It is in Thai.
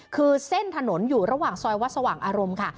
คือเส้นถนนอยู่ระหว่างซอยวัดสว่างอารมณ์ค่ะ